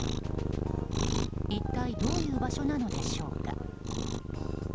一体どういう場所なのでしょうか。